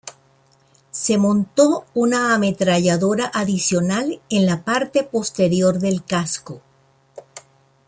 Se montó una ametralladora adicional en la parte posterior del casco.